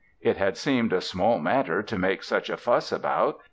It had seemed a small matter to make such a fuss about.